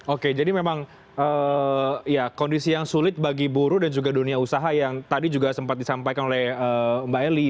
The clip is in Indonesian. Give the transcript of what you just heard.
oke jadi memang kondisi yang sulit bagi buruh dan juga dunia usaha yang tadi juga sempat disampaikan oleh mbak eli